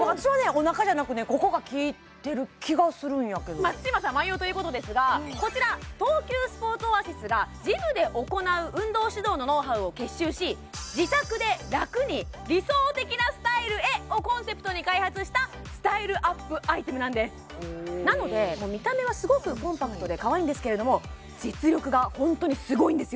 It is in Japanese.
お腹じゃなくここが効いてる気がするんやけど松嶋さんも愛用ということですがこちら東急スポーツオアシスがジムで行う運動指導のノウハウを結集し「自宅でラクに理想的なスタイルへ」をコンセプトに開発したスタイルアップアイテムなんですなので見た目はすごくコンパクトでかわいいんですけれども実力がホントにすごいんですよ